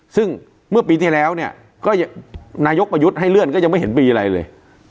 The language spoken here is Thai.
ซึ่งเมื่อปีที่แล้วเนี่ยก็นายกประยุทธ์ให้เลื่อนก็ยังไม่เห็นปีอะไรเลย